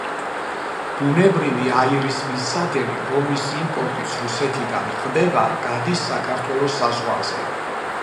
ბუნებრივი აირის მილსადენი რომლის იმპორტიც რუსეთიდან ხდება, გადის საქართველოს საზღვარზე.